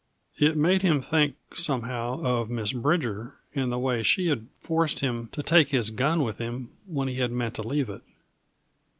It made him think, somehow, of Miss Bridger and the way she had forced him to take his gun with him when he had meant to leave it.